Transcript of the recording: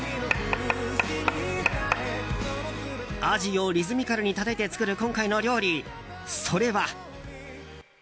アジをリズミカルにたたいて作る今回の料理、それは。